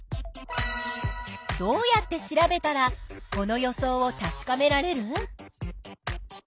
どうやって調べたらこの予想をたしかめられる？